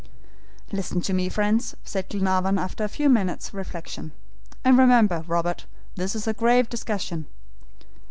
"Listen to me, friends," said Glenarvan after a few minutes' reflection; "and remember, Robert, this is a grave discussion.